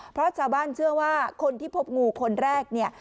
เพราะชาวบ้านเชื่อว่าคนที่พบงูคนแรกเนี่ย